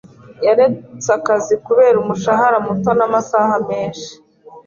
Yaretse akazi kubera umushahara muto n'amasaha menshi.